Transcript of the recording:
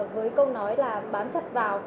với câu nói là bám chặt vào